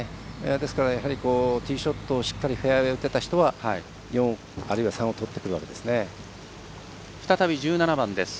ですからティーショットをしっかりフェアウエー打てた人は４あるいは３をとってくるわけですね。